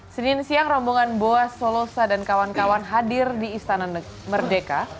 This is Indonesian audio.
senin siang rombongan boa solosa dan kawan kawan hadir di istana merdeka